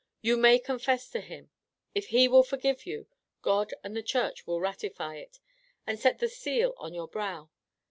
You may confess to him. If he will forgive you, God and the Church will ratify it, and set the seal on your brow.